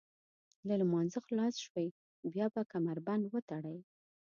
له لمانځه خلاص شوئ بیا به کمربند وتړئ.